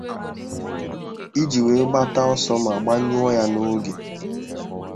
iji wee gbata ọsọ ma gbanyụọ ya n'ogè.